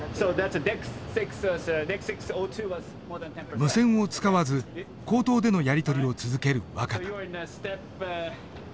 無線を使わず口頭でのやり取りを続ける若田。